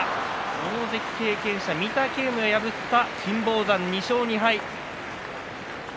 大関経験者、御嶽海を破った金峰山、２勝２敗です。